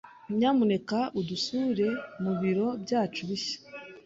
Nyamuneka udusure mu biro byacu bishya.